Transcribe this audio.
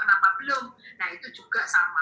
karena apa teman teman ini kan tentang uang negara